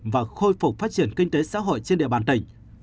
và khôi phục phát triển kinh tế xã hội trên địa bàn tỉnh